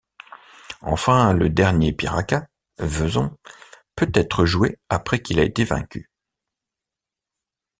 Enfin le dernier Piraka, Vezon, peut être joué après qu'il a été vaincu.